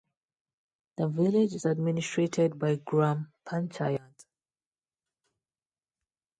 The village is administrated by Gram panchayat.